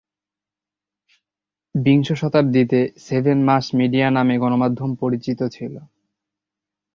বিংশ শতাব্দীতে "seven mass media" নামে গণমাধ্যম পরিচিত ছিল।